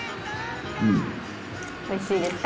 おいしいですか？